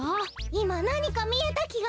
いまなにかみえたきが。